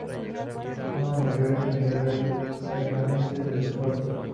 Son las mayores unidades permanentes de los cuerpos.